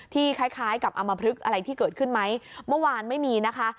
คล้ายคล้ายกับอำมพลึกอะไรที่เกิดขึ้นไหมเมื่อวานไม่มีนะคะ